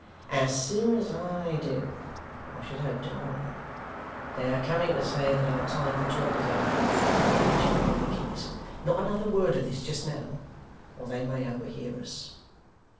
'As soon as I do. I should hope, to morrow. They are coming to say that our time for talk is over. I hear the jingling of the keys. Not another word of this just now, or they may overhear us.